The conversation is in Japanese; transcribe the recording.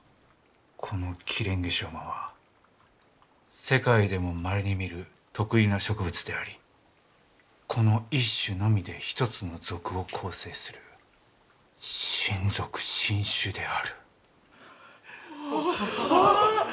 このキレンゲショウマは世界でもまれに見る特異な植物でありこの一種のみで一つの属を構成する新属新種である。